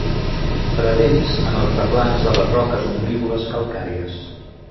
Pradells en els replans de les roques ombrívoles calcàries.